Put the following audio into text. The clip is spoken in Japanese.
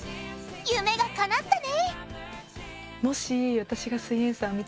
夢がかなったね！